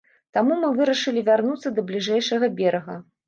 Таму мы вырашылі вярнуцца да бліжэйшага берага.